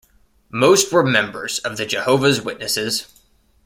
Most were members of the Jehovah's Witnesses.